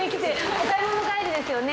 お買い物帰りですよね？